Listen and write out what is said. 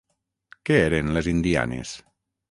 Què eren les indianes?